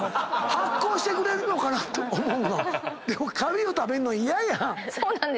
発酵してくれるのかなと思うの⁉でもカビを食べるの嫌やん！